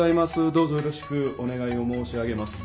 どうぞよろしくお願いを申し上げます。